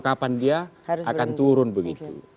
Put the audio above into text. kapan dia akan turun begitu